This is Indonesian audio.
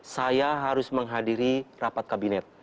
saya harus menghadiri rapat kabinet